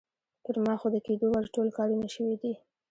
پر ما خو د کېدو وړ ټول کارونه شوي دي.